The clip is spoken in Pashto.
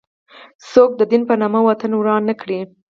څوک د دین په نامه وطن وران نه کړي.